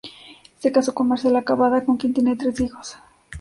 Se casó con Marcela Cabada, con quien tiene tres hijos.